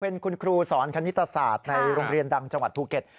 เป็นคุณครูสอนคณิตศาสตร์ในโรงเรียนดังจังหวัดภูเก็ต